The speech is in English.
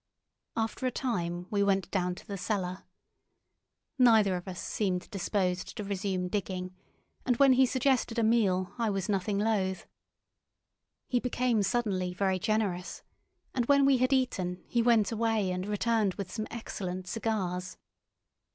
After a time we went down to the cellar. Neither of us seemed disposed to resume digging, and when he suggested a meal, I was nothing loath. He became suddenly very generous, and when we had eaten he went away and returned with some excellent cigars.